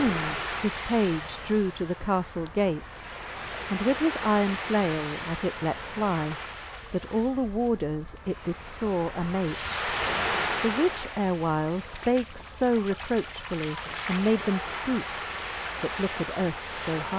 Eftfbones his page drew to the caftle gate, And with his iron flale at it let flie, That all the warders it did fore amate, The which erewhile fpake fb reprochfully, And made them ftoupe, that looked earft fb hie.